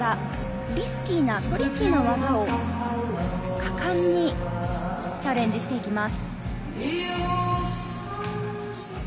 リスキーなトリッキーな技を果敢にチャレンジしていきます。